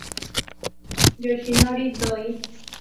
Yoshinori Doi